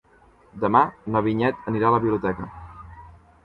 Demà na Vinyet anirà a la biblioteca.